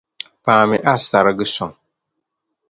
Paami a sariga sɔŋ.